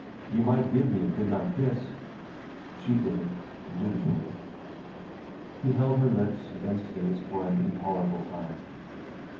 "You might give me a good night kiss." She did dutifully. He held her lips against his for an intolerable time.